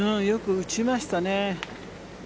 よく打ちましたね。